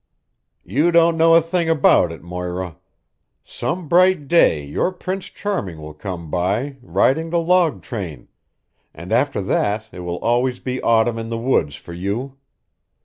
"You don't know a thing about it, Moira. Some bright day your Prince Charming will come by, riding the log train, and after that it will always be autumn in the woods for you.